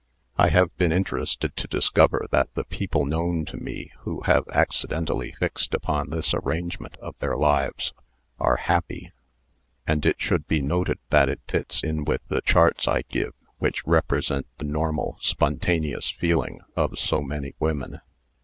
I have been interested to discover that the people known to me who have accidentally fixed upon this arrangement of their lives are happy : and it should be noted that it fits in with the charts I give which represent the normal, spontaneous feeling of so many women.